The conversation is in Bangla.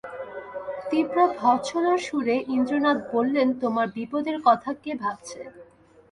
তীব্র ভর্ৎসনার সুরে ইন্দ্রনাথ বললেন, তোমার বিপদের কথা কে ভাবছে?